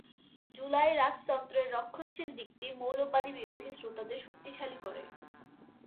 জুলাই রাজতন্ত্রের রক্ষণশীল দিকটি মৌলবাদী বিরোধী শ্রোতাদের শক্তিশালী করে।